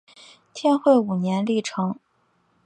天会五年历成。